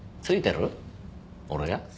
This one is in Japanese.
俺が？